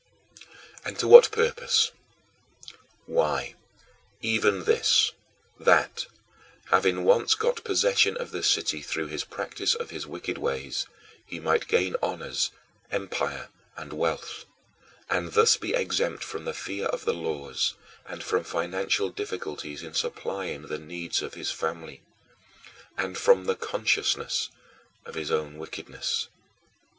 " And to what purpose? Why, even this: that, having once got possession of the city through his practice of his wicked ways, he might gain honors, empire, and wealth, and thus be exempt from the fear of the laws and from financial difficulties in supplying the needs of his family and from the consciousness of his own wickedness.